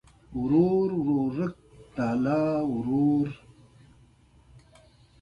علت او معلول یو له بل سره تړلي دي.